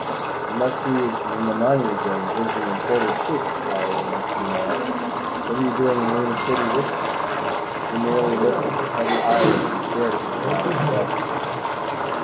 "You must be in the money again, drinking imported shchikh," I remarked. "What are you doing in Luna City this time?" He merely lifted his heavy eyelids and stared at me without expression.